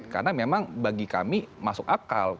karena memang bagi kami masuk akal